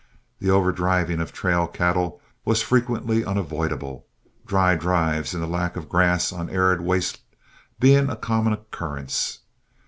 The overdriving of trail cattle was frequently unavoidable, dry drives and the lack of grass on arid wastes being of common occurrence.